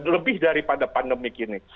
lebih daripada pandemik ini